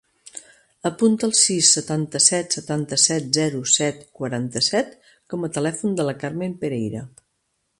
Apunta el sis, setanta-set, setanta-set, zero, set, quaranta-set com a telèfon de la Carmen Pereyra.